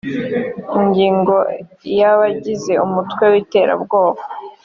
ingingo ya abagize umutwe witerabwoba